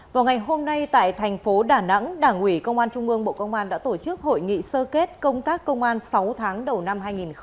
vào ngày hôm nay tại thành phố đà nẵng đảng ủy công an trung ương bộ công an đã tổ chức hội nghị sơ kết công tác công an sáu tháng đầu năm hai nghìn hai mươi ba